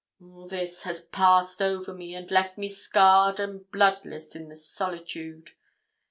All this had passed over me, and left me scarred and bloodless in this solitude.